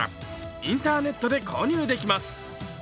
インターネットで購入できます。